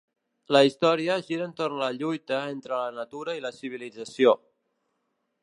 La història gira entorn la lluita entre la natura i la civilització.